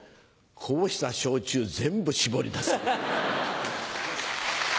こぼした焼酎全部絞り出す。